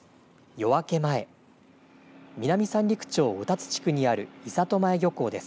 夜明け前南三陸町歌津地区にある伊里前漁港です。